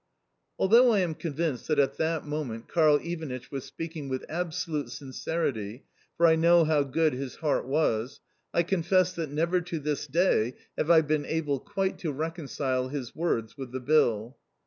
Although I am convinced that at that moment Karl Ivanitch was speaking with absolute sincerity (for I know how good his heart was), I confess that never to this day have I been able quite to reconcile his words with the bill.